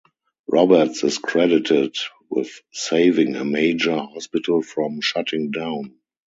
Roberts is credited with saving a major hospital from shutting down.